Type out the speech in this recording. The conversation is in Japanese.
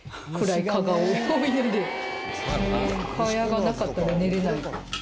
蚊帳がなかったら寝れない。